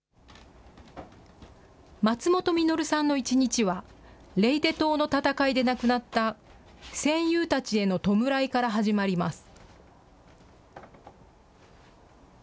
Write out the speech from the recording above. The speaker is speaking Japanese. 松本實さんの一日は、レイテ島の戦いで亡くなった戦友たちへの弔いから始まります。